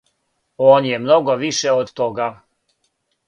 Он је много више од тога.